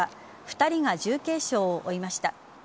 ２人が重軽傷を負いました。